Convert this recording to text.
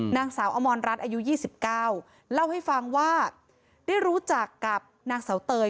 นางสาวอมรรต์อาม่อนรัสอายุ๒๙แล้วให้ฟังว่าได้รู้จักกับนางสาวเตย